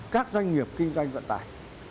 các doanh nghiệp kinh doanh vận tải